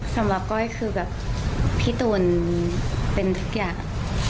สำหรับก้อยคือแบบพี่ตุ๋นเป็นทุกอย่าง